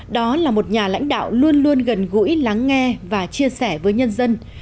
đó là một nhà lãnh đạo luôn luôn gần gũi lắng nghe và chia sẻ với nhân dân